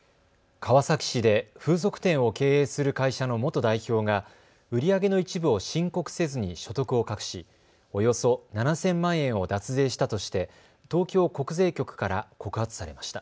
川崎市で風俗店を経営する会社の元代表が売り上げの一部を申告せずに所得を隠し、およそ７０００万円を脱税したとして東京国税局から告発されました。